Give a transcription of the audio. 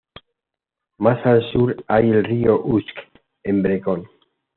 Más al sur hay el río Usk en Brecon.